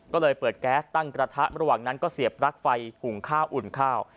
ก็เลยเปิดแก๊สตั้งกระทะระหว่างนั้นก็เสียบปลั๊กไฟหุงข้าวอุ่นข้าว